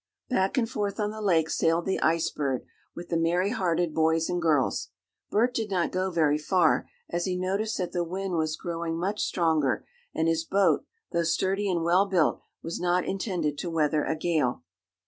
Back and forth on the lake sailed the Ice Bird with the merry hearted boys and girls. Bert did not go very far, as he noticed that the wind was growing much stronger and his boat, though sturdy and well built, was not intended to weather a gale.